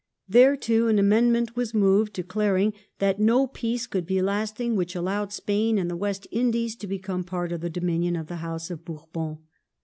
There, too, an amendment was moved declaring that no peace could be lasting which allowed Spain and the West Indies to become part of the dominion of the House of Bourbon.